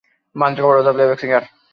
Mahendra Kapoor was the playback singer.